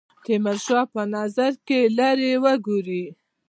تیمورشاه په نظر کې لري وګوري.